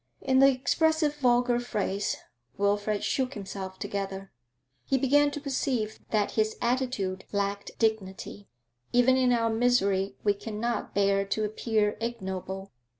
In the expressive vulgar phrase, Wilfrid 'shook himself together.' He began to perceive that his attitude lacked dignity; even in our misery we cannot bear to appear ignoble.